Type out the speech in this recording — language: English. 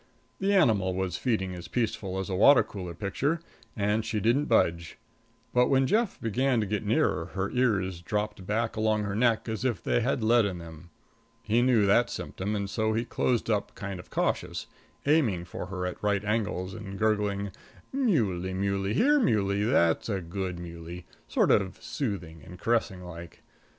The animal was feeding as peaceful as a water color picture, and she didn't budge; but when Jeff began to get nearer, her ears dropped back along her neck as if they had lead in them. He knew that symptom and so he closed up kind of cautious, aiming for her at right angles and gurgling, "Muley, muley, here muley; that's a good muley," sort of soothing and caressing like.